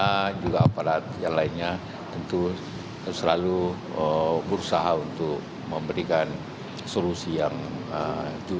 dan juga aparat yang lainnya tentu selalu berusaha untuk memberikan solusi yang baik